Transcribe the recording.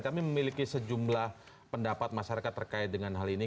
kami memiliki sejumlah pendapat masyarakat terkait dengan hal ini